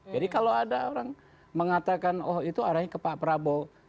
jadi kalau ada orang mengatakan oh itu arahnya ke pak prabowo